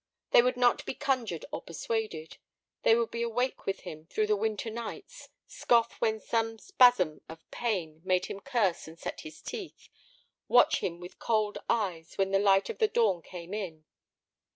They would not be conjured or persuaded. They would be awake with him through the winter nights; scoff when some spasm of pain made him curse and set his teeth; watch him with cold eyes when the light of the dawn came in.